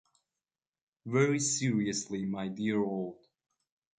Very seriously, my dear old.